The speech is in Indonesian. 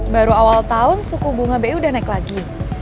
baru awal tahun suku bunga bi udah naik lagi